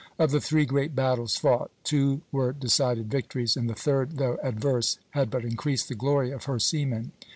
Of the three great battles fought two were decided victories; and the third, though adverse, had but increased the glory of her seamen.